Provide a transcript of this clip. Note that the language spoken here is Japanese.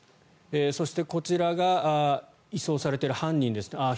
そして、こちらが移送されている犯人ですね。